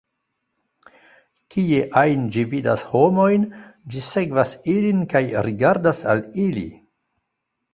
Kie ajn ĝi vidas homojn, ĝi sekvas ilin kaj rigardas al ili.